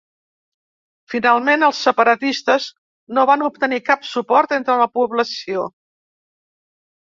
Finalment, els separatistes no van obtenir cap suport entre la població.